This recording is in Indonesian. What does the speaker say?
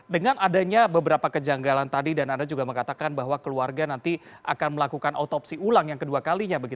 dengan adanya beberapa kejanggalan tadi dan anda juga mengatakan bahwa keluarga nanti akan melakukan otopsi ulang yang kedua kalinya